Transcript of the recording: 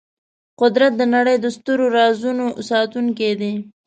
قدرت د نړۍ د سترو رازونو ساتونکی دی.